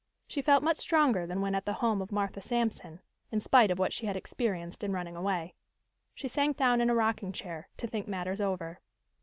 She felt much stronger than when at the home of Martha Sampson, in spite of what she had experienced in running away. She sank down in a rocking chair, to think matters over.